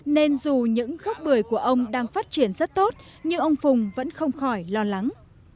nên dù những khóc bưởi của ông đang phát triển rất tốt nhưng ông phùng vẫn không khỏi lo lắng